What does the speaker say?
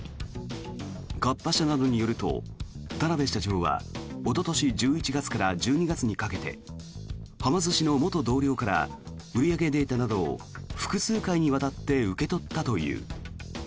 カッパ社側によると田邊社長はおととし１１月から１２月にかけてはま寿司の元同僚から売上データなど複数回にわたって受け取ったという。